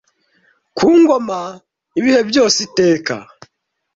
ku ngoma ibihe byose iteka